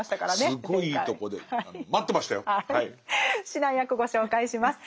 指南役ご紹介します。